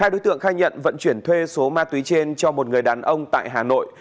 hai đối tượng khai nhận vận chuyển thuê số ma túy trên cho một người đàn ông tại hà nội